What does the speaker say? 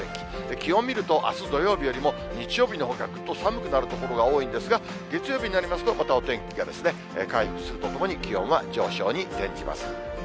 気温見ると、あす土曜日よりも、日曜日のほうがずっと寒くなる所が多いんですが、月曜日になりますと、またお天気が回復するとともに気温は上昇に転じます。